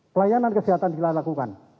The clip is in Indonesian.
pelayanan kesehatan dilakukan